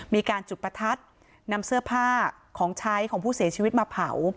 มีการจุดประทัดนำเสื้อผ้าของใช้ของผู้เสียชีวิตมาเผา